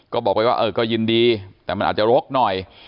ก็บอกไปว่าเออก็ยินดีแต่มันอาจจะรกหน่อย